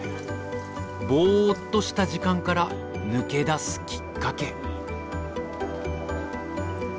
ボーッとした時間から抜け出すきっかけ。